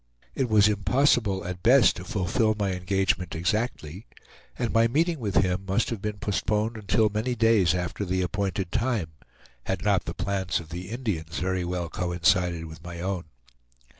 It was impossible, at best, to fulfill my engagement exactly, and my meeting with him must have been postponed until many days after the appointed time, had not the plans of the Indians very well coincided with my own.